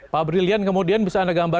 pak brilian kemudian bisa anda gambarkan